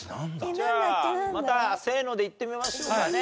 じゃあまたせーのでいってみましょうかね。